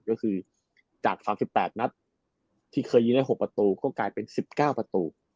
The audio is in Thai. ก็คือจาก๓๘นัดที่เคยยิงได้๖ประตูก็กลายเป็น๑๙ประตู